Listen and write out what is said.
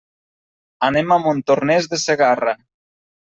Anem a Montornès de Segarra.